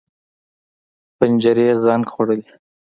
پنجرې زنګ خوړلي